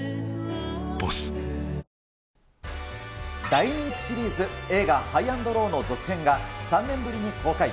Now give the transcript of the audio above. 大人気シリーズ、映画、ＨｉＧＨ＆ＬＯＷの続編が３年ぶりに公開。